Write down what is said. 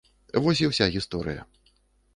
Вось і ўся гісторыя.